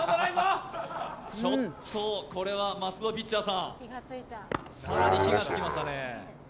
ちょっとこれはマスク・ド・ピッチャーさんさらに火がつきましたね。